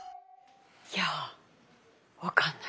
いや分かんない。